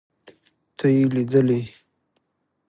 ته يې ليدلې.